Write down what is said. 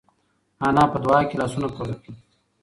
انا په دعا کې لاسونه پورته کړل.